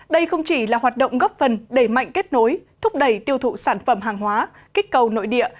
đây không chỉ là hoạt động góp phần đẩy mạnh kết nối thúc đẩy tiêu thụ sản phẩm hàng hóa kích cầu nội địa